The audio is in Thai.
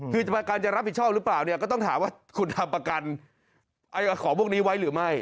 คือประกันจะรับผิดชอบหรือเปล่าเนี่ยก็ต้องถามว่าคุณทำประกันของพวกนี้ไว้หรือไม่